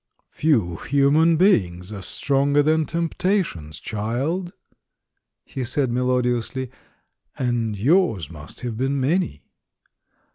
"Few human beings are stronger than tempta tions, child," he said melodiously; "and yours must have been many."